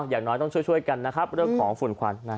อย่างน้อยต้องช่วยกันนะครับเรื่องของฝุ่นควัน